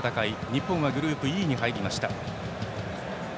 日本はグループＥに入りました。